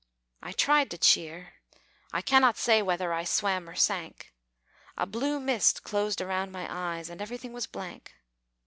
I tried to cheer, I cannot say Whether I swam or sank; A blue mist closed around my eyes, And everything was blank.